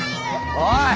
おい！